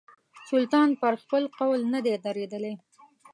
سلطان پر خپل قول نه دی درېدلی.